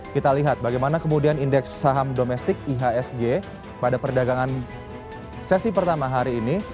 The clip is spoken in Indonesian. kita lihat bagaimana kemudian indeks saham domestik ihsg pada perdagangan sesi pertama hari ini